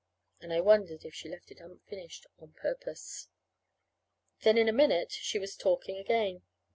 And I wondered if she left it unfinished on purpose. Then, in a minute, she was talking again.